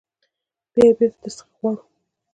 بیا یې بیرته در څخه غواړو.